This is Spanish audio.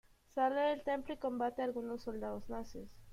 Sale del templo y combate a algunos soldados nazis.